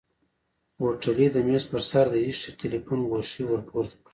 هوټلي د مېز پر سر د ايښي تليفون ګوشۍ ورپورته کړه.